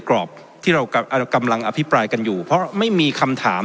กรอบที่เรากำลังอภิปรายกันอยู่เพราะไม่มีคำถาม